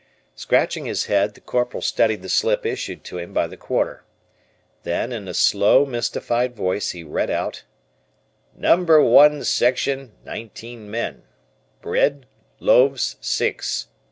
Scratching his head, the Corporal studied the slip issued to him by the Quarter. Then in a slow, mystified voice he read out, "No. I Section, 19 men. Bread, loaves, six."